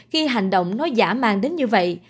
khi hành động nói giả mang đến như vậy